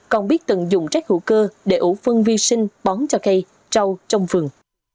còn biết từng dùng rác hữu cơ để ủ phân vi sinh bóng cho cây trâu trông vườn